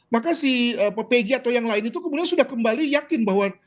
maka si pg atau yang lain itu kemudian sudah kembali yakin bahwa